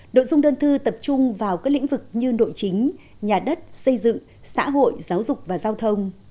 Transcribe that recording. nội dung đơn thư tập trung vào các lĩnh vực như nội chính nhà đất xây dựng xã hội giáo dục và giao thông